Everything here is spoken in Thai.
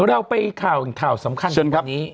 แล้วเราไปข่าวสำคัญของวันนี้